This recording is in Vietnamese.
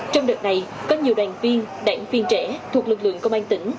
trong đợt này có nhiều đoàn viên đảng viên trẻ thuộc lực lượng công an tỉnh